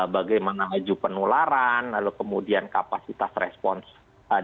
bagaimana laju penularan lalu kemudian kapasitas respons dari fasilitas